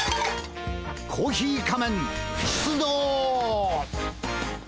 コーヒー仮面出動！